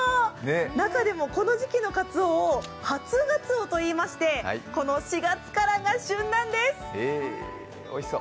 中でも、この時期のかつおを初がつおといいまして、この４月からが旬なんです。